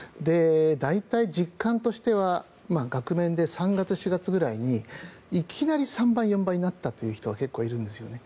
大体実感としては額面で３月、４月くらいにいきなり３倍４倍になったという人が結構いるんですよね。